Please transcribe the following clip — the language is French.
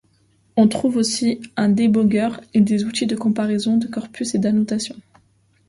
On trouve aussi un débogueur et des outils de comparaison de corpus et d'annotations.